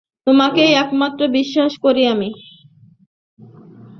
তোমাকেই একমাত্র বিশ্বাস করি আমি।